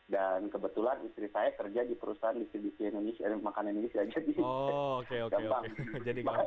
dan kebetulan istri saya kerja di perusahaan distribusi makanan indonesia aja